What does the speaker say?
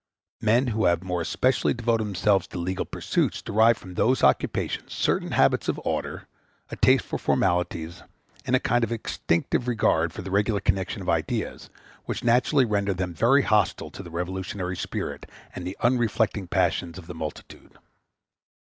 Men who have more especially devoted themselves to legal pursuits derive from those occupations certain habits of order, a taste for formalities, and a kind of instinctive regard for the regular connection of ideas, which naturally render them very hostile to the revolutionary spirit and the unreflecting passions of the multitude.